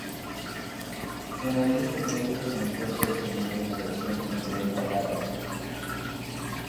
En Oriente Medio se encuentra disponible una versión en lengua árabe.